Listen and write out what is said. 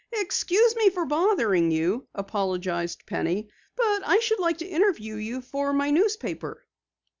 "Excuse me for bothering you," apologized Penny, "but I should like to interview you for my newspaper."